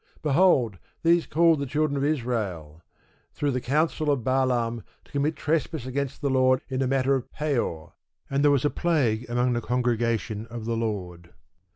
Behold, these called the children of Israel, through the counsel of Balaam, to commit trespass against the Lord in the matter of Peor, and there was a plague among the congregation of the Lord.